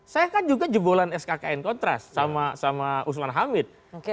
saya kan juga jebolan skkn kontras sama usman hamid